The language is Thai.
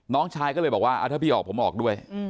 น้องชายก็เลยบอกว่าถ้าพี่ออกผมออกด้วย